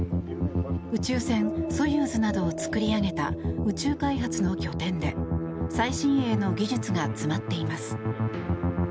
宇宙船「ソユーズ」などを造り上げた宇宙開発の拠点で最新鋭の技術が詰まっています。